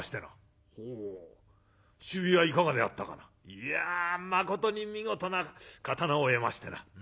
「いやまことに見事な刀を得ましてな。